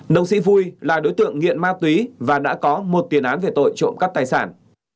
nông sĩ vui là đối tượng nghiện ma túy và đã có một tiền án về tội trộm cắp tài sản